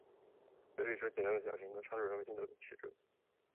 这是一首简单的小情歌，唱出人们心头的曲折